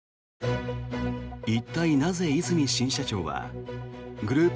一体なぜ、和泉新社長はグループ